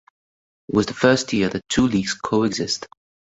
It was the first year that two leagues coexist.